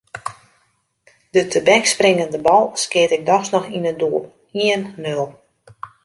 De tebekspringende bal skeat ik dochs noch yn it doel: ien-nul.